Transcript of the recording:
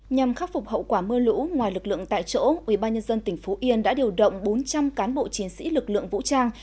nhằm khắc phục hậu quả mưa lũ ngoài lực lượng tại chỗ ubnd tỉnh phú yên đã điều động bốn trăm linh cán bộ chiến sĩ lực lượng vũ trang